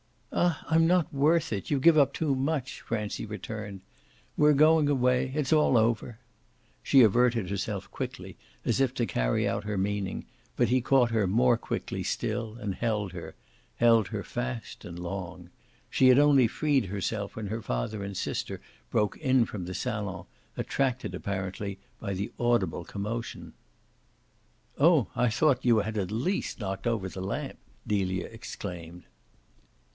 "Ah I'm not worth it. You give up too much!" Francie returned. "We're going away it's all over." She averted herself quickly, as if to carry out her meaning, but he caught her more quickly still and held her held her fast and long. She had only freed herself when her father and sister broke in from the salon, attracted apparently by the audible commotion. "Oh I thought you had at least knocked over the lamp!" Delia exclaimed.